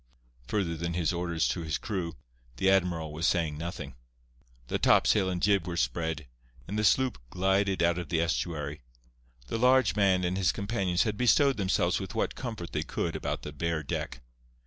Further than his orders to his crew, the admiral was saying nothing. The topsail and jib were spread, and the sloop glided out of the estuary. The large man and his companions had bestowed themselves with what comfort they could about the bare deck.